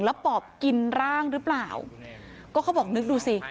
แล้วปอบกินร่างหรือเปล่าก็เขาบอกนึกดูสิ